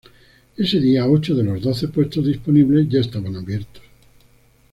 Ese día, ocho de los doce puestos disponibles ya estaban abiertos.